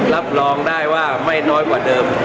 รับรองได้ว่าไม่น้อยกว่าเดิม